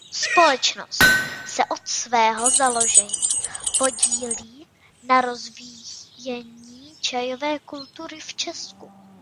Společnost se od svého založení podílí na rozvíjení čajové kultury v Česku.